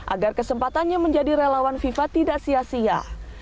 agar kesempatannya menjadi relawan fifa tidak sia sia